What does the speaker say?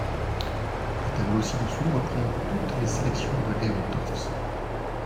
Le tableau ci-dessous reprend toutes les sélections de Léon Torfs.